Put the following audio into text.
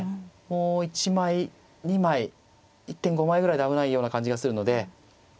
もう１枚２枚１．５枚ぐらいで危ないような感じがするので。